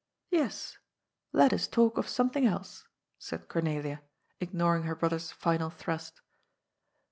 ^^Yes, let us talk of something else/' said Cornelia, ignoring her brother's final thrust.